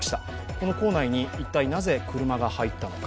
この構内に一体なぜ、車が入ったのか。